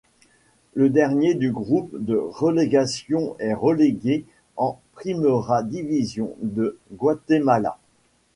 Le dernier du groupe de relégation est relégué en Primera División de Guatemala.